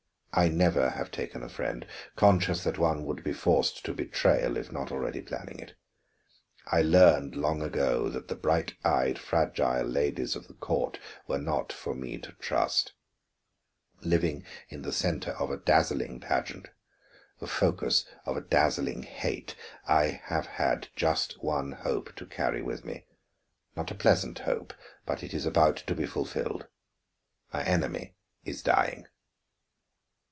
I never have taken a friend, conscious that one would be forced to betrayal if not already planning it. I learned long ago that the bright eyed, fragile ladies of the court were not for me to trust. Living in the center of a dazzling pageant, the focus of a dazzling hate, I have had just one hope to carry with me. Not a pleasant hope, but it is about to be fulfilled. My enemy is dying."